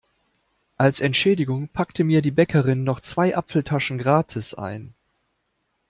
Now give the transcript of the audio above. Als Entschädigung packte mir die Bäckerin noch zwei Apfeltaschen gratis ein.